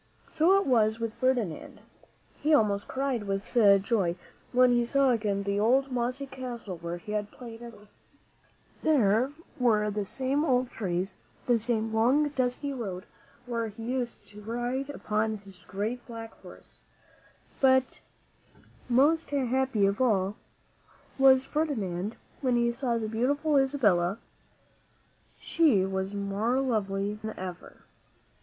So it was with Ferdinand, He almost cried with joy when he saw again the old, mossy castle where he had played as a boy. There were the same old trees, the same long, dusty road where he used to ride upon his great black horse; but most happy of all was Ferdinand when he saw again the beautiful Isabella. She was more lovely than ever.